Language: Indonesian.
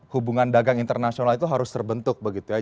hubungan dagang internasional itu harus terbentuk begitu ya